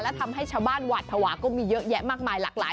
และทำให้ชาวบ้านหวาดภาวะก็มีเยอะแยะมากมายหลากหลาย